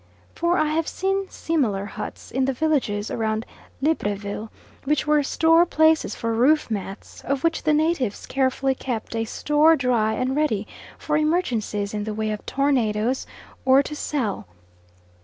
For I have seen similar huts in the villages round Libreville, which were store places for roof mats, of which the natives carefully keep a store dry and ready for emergencies in the way of tornadoes, or to sell.